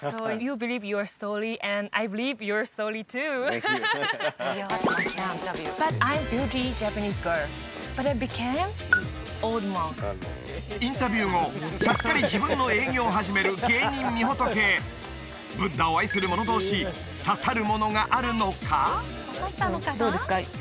サンキューインタビュー後ちゃっかり自分の営業を始める芸人みほとけブッダを愛する者同士刺さるものがあるのか？